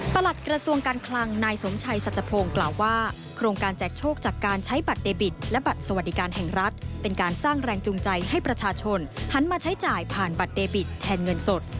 ผ่านบัตรเดบิตแทนเงินสด